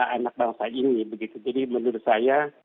anak bangsa ini begitu jadi menurut saya